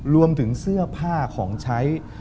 รวมถึงเสื้อผ้าของใช้